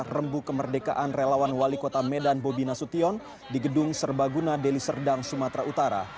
rembu kemerdekaan relawan wali kota medan bobi nasution di gedung serbaguna deli serdang sumatera utara